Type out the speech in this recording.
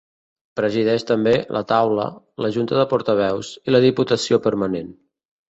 Presideix també, la Taula, la Junta de Portaveus i la Diputació Permanent.